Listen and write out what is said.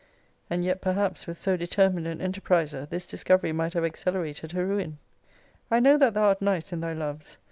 And yet, perhaps, with so determined an enterprizer, this discovery might have accelerated her ruin. I know that thou art nice in thy loves.